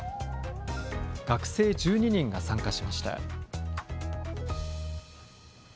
学生１２人が参加しました。